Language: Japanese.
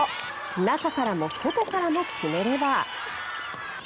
中からも外からも決めれば。